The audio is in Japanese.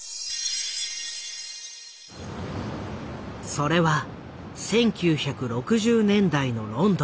それは１９６０年代のロンドン。